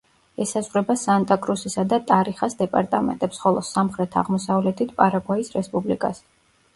ესაზღვრება სანტა-კრუსისა და ტარიხას დეპარტამენტებს, ხოლო სამხრეთ-აღმოსავლეთით პარაგვაის რესპუბლიკას.